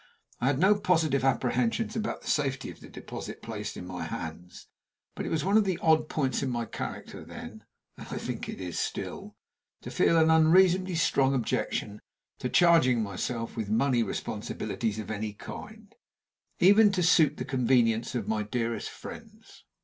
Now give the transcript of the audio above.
I had no positive apprehensions about the safety of the deposit placed in my hands, but it was one of the odd points in my character then (and I think it is still) to feel an unreasonably strong objection to charging myself with money responsibilities of any kind, even to suit the convenience of my dearest friends.